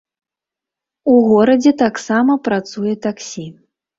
У горадзе таксама працуе таксі.